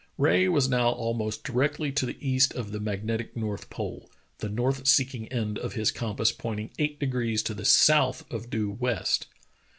Rae was now almost directly to the east of the mag netic north pole, the north seeking end of his compass pointing eight degrees to the south of due zvest.